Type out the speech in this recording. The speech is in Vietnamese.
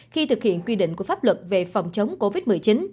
khi thực hiện quy định của pháp luật về phòng chống covid một mươi chín